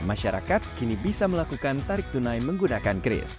masyarakat kini bisa melakukan tarik tunai menggunakan kris